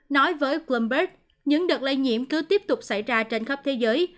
nói với bloomberg những đợt lây nhiễm cứ tiếp tục xảy ra trên khắp thế giới